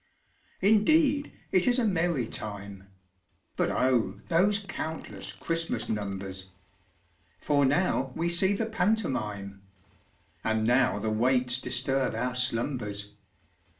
_) Indeed it is a merry time; (But O! those countless Christmas numbers!) For now we see the pantomime, (_And now the waits disturb our slumbers.